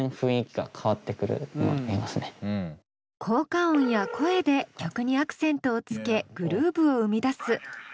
効果音や声で曲にアクセントをつけグルーヴを生み出す。